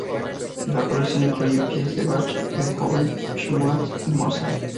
La colección incluye piezas de Bach, Beethoven, Schumann y Mozart.